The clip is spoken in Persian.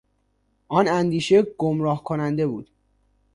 آن اندیشه گمراه کننده بود.